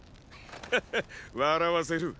ハハッ笑わせる。